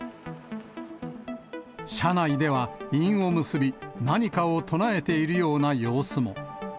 車内では印を結び、何かを唱えているような様子も。